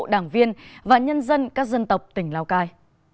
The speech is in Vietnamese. đảng viên và nhân dân các dân tộc tỉnh lào cai